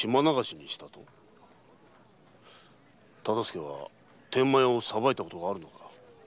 忠相は天満屋を裁いたことがあるのか？